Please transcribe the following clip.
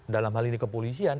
dalam hal ini kepolisian